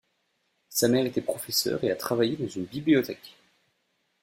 Sa mère était professeur et a travaillé dans une bibliothèque.